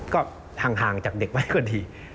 ก็ห่างจากเด็กไว้ก็ดี